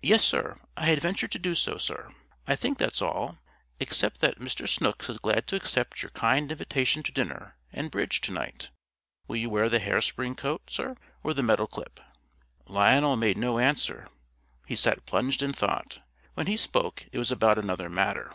"Yes, Sir. I had ventured to do so, Sir. I think that's all, except that Mr. Snooks is glad to accept your kind invitation to dinner and bridge to night. Will you wear the hair spring coat, Sir, or the metal clip?" Lionel made no answer. He sat plunged in thought. When he spoke it was about another matter.